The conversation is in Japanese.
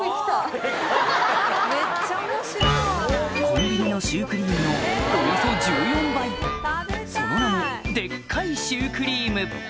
コンビニのシュークリームのおよそその名も「でっかいシュークリーム」